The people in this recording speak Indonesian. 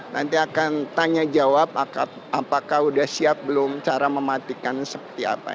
nanti akan tanya jawab apakah sudah siap belum cara mematikan seperti apa